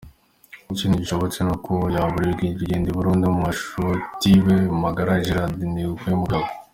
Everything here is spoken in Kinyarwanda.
Ikindi gishoboka ni uko yaburirwa irengero burundu nka mushuti we magara Gerard Niwemugabo.